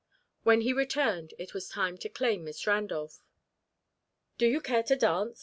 When he returned, it was time to claim Miss Randolph. "Do you care to dance?"